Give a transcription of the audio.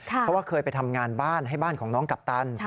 เพราะว่าเคยไปทำงานบ้านให้บ้านของน้องกัปตัน